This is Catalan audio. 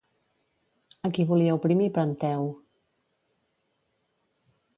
A qui volia oprimir Penteu?